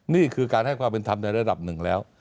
นี่คือการให้ความเป็นธรรมในระดับหนึ่งแล้ว